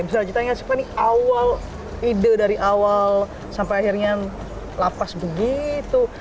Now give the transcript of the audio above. bisa kita lihat siapa ini awal ide dari awal sampai akhirnya lapas begitu